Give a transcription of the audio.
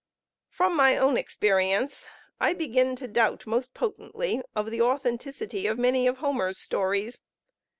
From my own experience I begin to doubt most potently of the authenticity of many of Homer's stories.